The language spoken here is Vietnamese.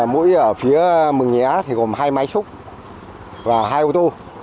mũi ở phía mừng nhé thì gồm hai máy xúc và hai ô tô